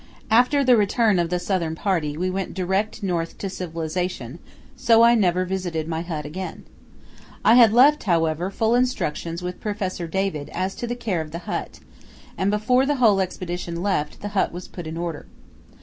After the return of the Southern Party we went direct north to civilization, so I never visited my hut again. I had left, however, full instructions with Professor David as to the care of the hut, and before the whole Expedition left, the hut was put in order.